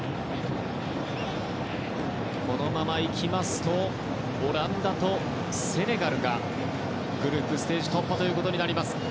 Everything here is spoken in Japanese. このままいくとオランダとセネガルがグループステージ突破ということになります。